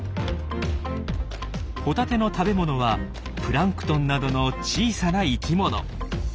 ホタテの食べ物はプランクトンなどの小さな生きもの。